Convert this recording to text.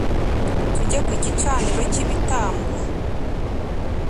tujye ku gicaniro cy'ibitambo